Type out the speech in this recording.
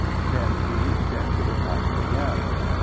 Then he reached into the pouch again.